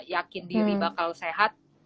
yakin diri bakal sehat